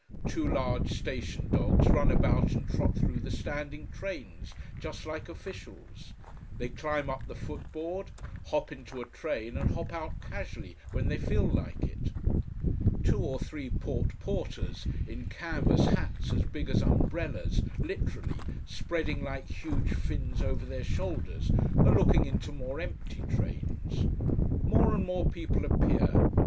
Two large station dogs run about and trot through the standing trains, just like officials. They climb up the footboard, hop into a train and hop out casually when they feel like it. Two or three port porters, in canvas hats as big as umbrellas, literally, spreading like huge fins over their shoulders, are looking into more empty trains. More and more people appear.